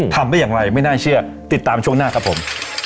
ทำได้อย่างไรไม่น่าเชื่อติดตามช่วงหน้าครับผม